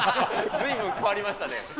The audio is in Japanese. ずいぶん変わりましたね。